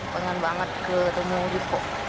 pengen banget ketemu riko